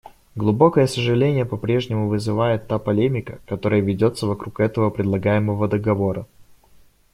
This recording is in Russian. Глубокое сожаление по-прежнему вызывает та полемика, которая ведется вокруг этого предлагаемого договора.